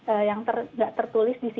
jadi ada etika yang nggak tertulis di sini